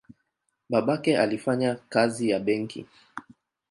Babake alifanya kazi ya benki.